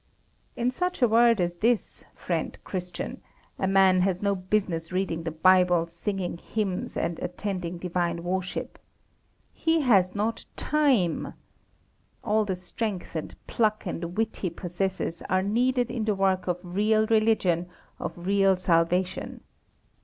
In such a world as this, friend Christian, a man has no business reading the Bible, singing hymns, and attending divine worship. He has not time. All the strength and pluck and wit he possesses are needed in the work of real religion, of real salvation.